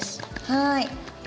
はい。